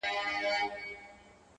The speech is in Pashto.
ژبه کي توان یې د ویلو نسته چپ پاته دی,